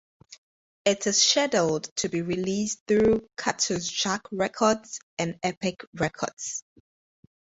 It is scheduled to be released through Cactus Jack Records and Epic Records.